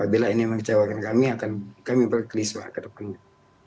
bila ini mengecewakan kami kami berkelis pak ke depannya